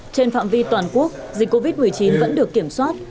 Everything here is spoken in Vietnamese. trên phạm vi toàn quốc dịch covid một mươi chín vẫn được kiểm soát